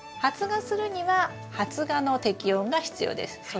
発芽するには発芽の適温が必要です。